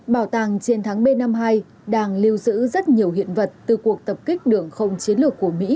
bảo tàng chiến thắng b năm mươi hai đang lưu giữ rất nhiều hiện vật từ cuộc tập kích đường không chiến lược của mỹ